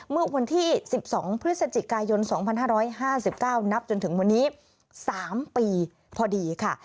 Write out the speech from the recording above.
เมื่อวันที่๑๒พฤศจิกายน๒๕๕๙นับจนถึงวันนี้๓ปีพอดีค่ะ